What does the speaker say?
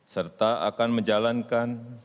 serta akan menjalankan